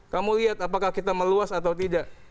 kamu lihat apakah kita meluas atau tidak